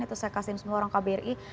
terus saya kasihin semua orang kbri